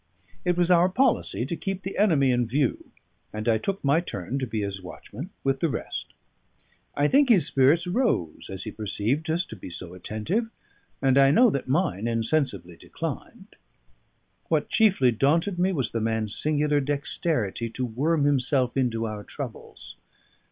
It was our policy to keep the enemy in view, and I took my turn to be his watchman with the rest. I think his spirits rose as he perceived us to be so attentive, and I know that mine insensibly declined. What chiefly daunted me was the man's singular dexterity to worm himself into our troubles.